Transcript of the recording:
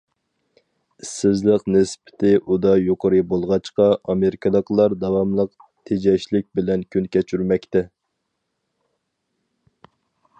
ئىشسىزلىق نىسبىتى ئۇدا يۇقىرى بولغاچقا، ئامېرىكىلىقلار داۋاملىق تېجەشلىك بىلەن كۈن كەچۈرمەكتە.